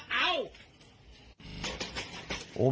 มีคนอยู่ไหมครับ